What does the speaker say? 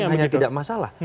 bukan hanya tidak masalah